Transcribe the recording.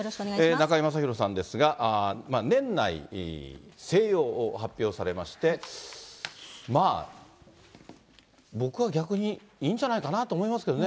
中居正広さんですが、年内静養を発表されまして、まあ、僕は逆にいいんじゃないかなと思いますけどね。